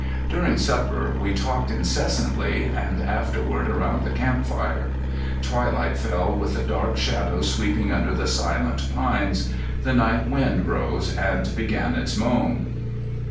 During supper we talked incessantly, and afterward around the camp fire. Twilight fell with the dark shadows sweeping under the silent pines; the night wind rose and began its moan.